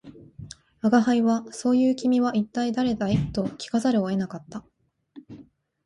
吾輩は「そう云う君は一体誰だい」と聞かざるを得なかった